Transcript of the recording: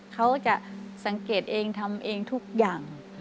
เขาจะสังเกตเองทำเองทุกอย่าง